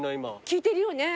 聴いてるよね。